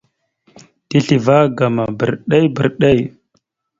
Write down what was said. Tisləváagam bredey bredey.